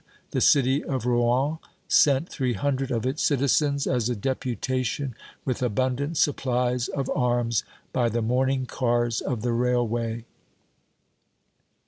The city of Rouen sent three hundred of its citizens as a deputation, with abundant supplies of arms, by the morning cars of the railway.